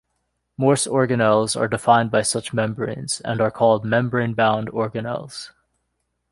Most organelles are defined by such membranes, and are called "membrane-bound" organelles.